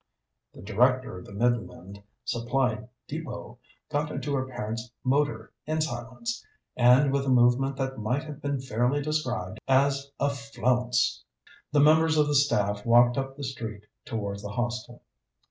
The Director of the Midland Supply Depôt got into her parent's motor in silence, and with a movement that might have been fairly described as a flounce. The members of the staff walked up the street towards the Hostel.